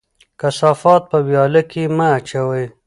کثافات په ویاله کې مه اچوئ.